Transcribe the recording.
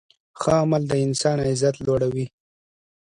ښه عمل د انسان عزت لوړوي.